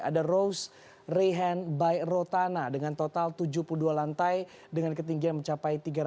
ada rose rehan by rotana dengan total tujuh puluh dua lantai dengan ketinggian mencapai tiga ratus tiga puluh tiga meter